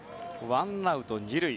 ワンアウト２塁